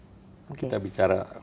semuanya masuk kita bicara